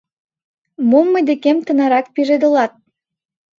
Мом мый декем тынарак пижедылат?